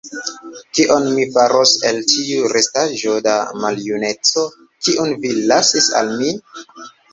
Kion mi faros el tiu restaĵo da maljuneco, kiun vi lasis al mi?